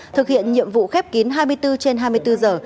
thực hiện nhiệm vụ khép kín hai mươi bốn trên hai mươi bốn giờ